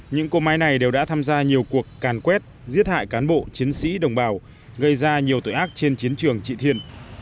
những cô máy này đều đã tham gia nhiều cuộc càn quét giết hại cán bộ chiến sĩ đồng bào gây ra nhiều tội ác trên chiến trường trị thiên